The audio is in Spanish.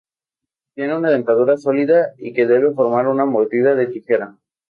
Tiene una dentadura sólida y que debe formar una mordida de tijera.